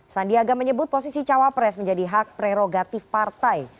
sandiaga menyebut posisi cawa pres menjadi hak prerogatif partai